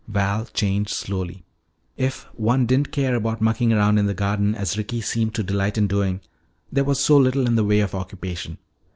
Val changed slowly. If one didn't care about mucking around in the garden, as Ricky seemed to delight in doing, there was so little in the way of occupation.